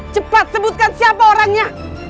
cepat sebutkan siapa orangnya